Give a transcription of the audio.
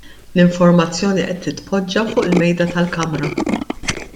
L-informazzjoni qed titpoġġa fuq il-mejda tal-kamra.